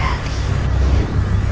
aku senang melihatmu kembali